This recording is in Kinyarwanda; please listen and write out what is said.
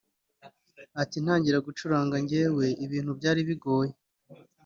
Ati “Ntangira gucuranga njyewe ibintu byari bigoye